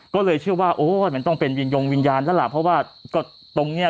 ก็เลยเชื่อว่าโอ้ยมันต้องเป็นวิญญงวิญญาณแล้วล่ะเพราะว่าก็ตรงเนี้ย